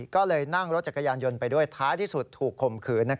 ก็เลยนั่งรถจักรยานยนต์ไปด้วยท้ายที่สุดถูกข่มขืน